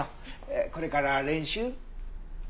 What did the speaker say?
これから練習？